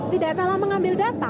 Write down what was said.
tidak salah mengambil data